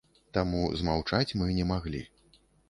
Таму змаўчаць мы не маглі.